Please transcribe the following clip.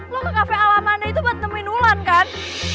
lo ke kafe alamannya itu buat nemuin ulan kan